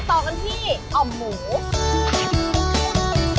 รสจัดจานเผ็ดขนกลมกล่อมแบบ๓๔๕๖๗รส